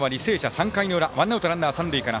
３回の裏、ワンアウトランナー、三塁から。